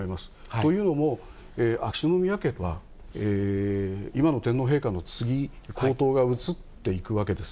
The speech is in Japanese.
というのも、秋篠宮家は、今の天皇陛下の次、皇統が移っていくわけです。